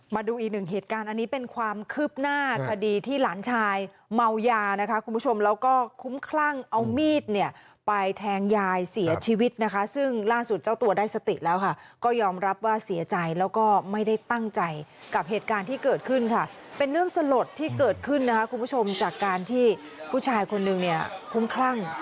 มาดูอีกหนึ่งเหตุการณ์อันนี้เป็นความคืบหน้าคดีที่หลานชายเมายานะคะคุณผู้ชมแล้วก็คุ้มคลั่งเอามีดเนี่ยไปแทงยายเสียชีวิตนะคะซึ่งล่าสุดเจ้าตัวได้สติแล้วค่ะก็ยอมรับว่าเสียใจแล้วก็ไม่ได้ตั้งใจกับเหตุการณ์ที่เกิดขึ้นค่ะเป็นเรื่องสลดที่เกิดขึ้นนะคะคุณผู้ชมจากการที่ผู้ชายคนนึงเนี่ยคุ้มคลั่ง